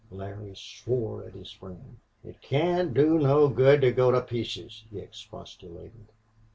Larry swore at his friend. "It can't do no good to go to pieces," he expostulated.